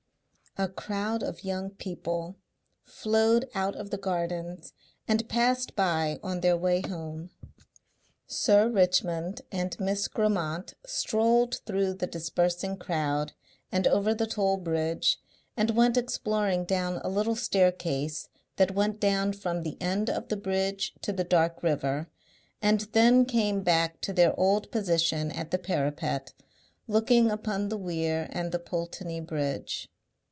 A crowd of young people flowed out of the gardens and passed by on their way home. Sir Richmond and Miss Grammont strolled through the dispersing crowd and over the Toll Bridge and went exploring down a little staircase that went down from the end of the bridge to the dark river, and then came back to their old position at the parapet looking upon the weir and the Pulteney Bridge.